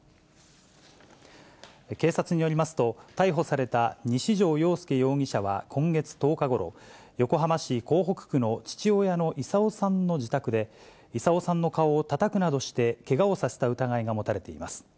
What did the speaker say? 警察によりますと、逮捕された西條洋介容疑者は、今月１０日ごろ、横浜市港北区の父親の功さんの自宅で、功さんの顔をたたくなどしてけがをさせた疑いが持たれています。